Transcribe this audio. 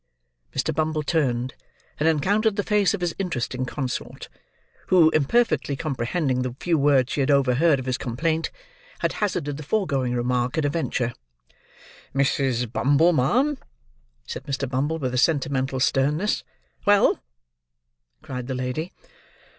Mr. Bumble turned, and encountered the face of his interesting consort, who, imperfectly comprehending the few words she had overheard of his complaint, had hazarded the foregoing remark at a venture. "Mrs. Bumble, ma'am!" said Mr. Bumble, with a sentimental sternness. "Well!" cried the lady.